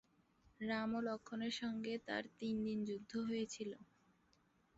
রাম ও লক্ষ্মণের সঙ্গে তার তিন দিন যুদ্ধ হয়েছিল।